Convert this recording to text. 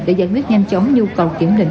để giải quyết nhanh chóng nhu cầu kiểm định